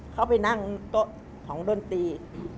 เข้าไปนั่งก็ของดนตรี